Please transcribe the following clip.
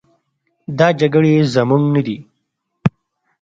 دا جګړې زموږ نه دي.